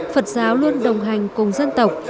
phật giáo luôn đồng hành cùng dân tộc